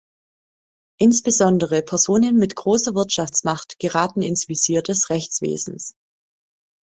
Insbesondere Personen mit großer Wirtschaftsmacht geraten ins Visier des Rechtswesens.